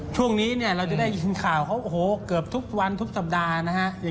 ช่วงนี้เนี่ยเราจะได้ยินข่าวเขาโอ้โหเกือบทุกวันทุกสัปดาห์นะฮะ